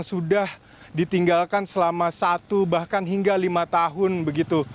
sudah ditinggalkan selama satu bahkan hingga lima tahun begitu